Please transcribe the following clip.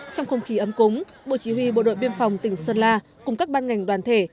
trong không khí ấm cúng bộ chỉ huy bộ đội biên phòng tỉnh sơn la cùng các ban ngành đoàn thể